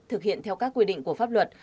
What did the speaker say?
thực hiện theo các quy định của pháp luật